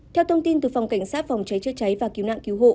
theo thông tin từ phòng cảnh sát phòng cháy chữa cháy và cứu nạn cứu hộ